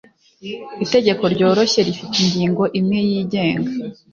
Itegeko ryoroshye rifite ingingo imwe yigenga